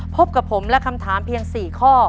พบกับผมและคำถามเพียง๔ข้อ